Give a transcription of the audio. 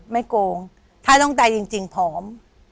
โกงถ้าต้องใจจริงพร้อม